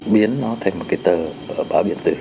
biến nó thành một cái tờ báo điện tử